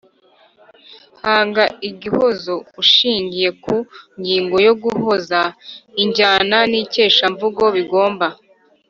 hanga igihozo ushingiye ku ngingo yo guhoza, injyana n’ikeshamvugo bigomba